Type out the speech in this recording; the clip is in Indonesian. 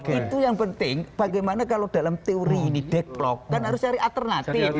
itu yang penting bagaimana kalau dalam teori ini deadlock kan harus cari alternatif